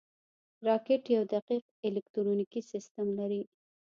راکټ یو دقیق الکترونیکي سیستم لري